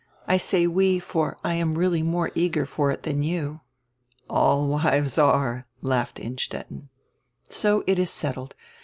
I say we, for I am really more eager for it than you." "All wives are," laughed Innstetten. "So it is settled.